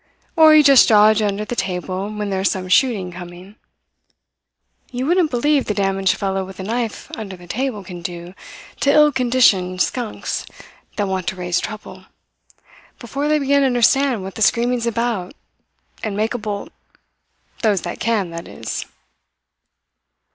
Or you just dodge under the table when there's some shooting coming. You wouldn't believe the damage a fellow with a knife under the table can do to ill conditioned skunks that want to raise trouble, before they begin to understand what the screaming's about, and make a bolt those that can, that is."